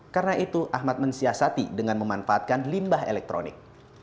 karena itu ahmad mensiasati dengan memanfaatkan limbah elektronik